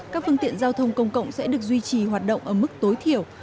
các phương tiện giao thông công cộng sẽ được duy trì hoạt động ở mức tối thiểu